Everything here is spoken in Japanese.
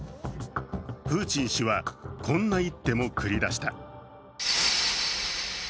プーチン氏はこんな一手も繰り出した。